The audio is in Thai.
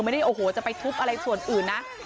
ไม่ได้โอ้โหจะไปทุบอะไรส่วนอื่นนะ